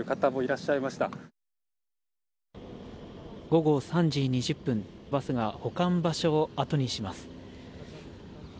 午後３時２０分バスが保管場所をあとにします。